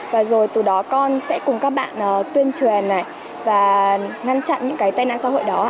và rồi từ đó con sẽ cùng các bạn tuyên truyền này và ngăn chặn những cái tệ nạn xã hội đó